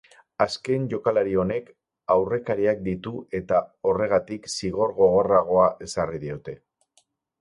Azken jokalari honek aurrekariak ditu eta horregatik zigor gogorragoa ezarri diote.